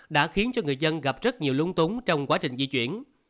đã khiến cho người dân gặp rất nhiều lung túng trong quá trình di chuyển